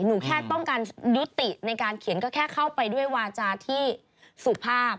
หนูแค่ต้องการยุติในการเขียนก็แค่เข้าไปด้วยวาจาที่สุภาพ